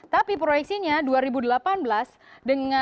tapi proyeksinya dua ribu delapan belas dengan beberapa indikatornya